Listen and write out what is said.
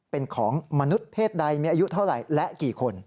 เป็นของมนุษย์เพศใดมีอายุเท่าไหร่และกี่คน